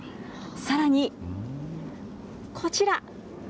さらに、こちら。